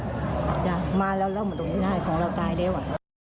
ไม่มีประโยชน์อะไรแล้วมาแล้วมาตรงนี้ได้ของเราตายแล้ว